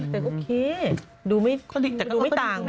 แต่โอเคดูไม่ต่าง